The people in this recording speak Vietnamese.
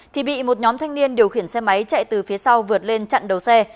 thì bị một nhóm thanh niên điều khiển xe máy chạy từ phía sau vượt lên chặn đầu xe